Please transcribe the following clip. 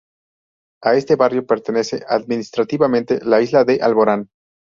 A este barrio pertenece administrativamente la isla de Alborán.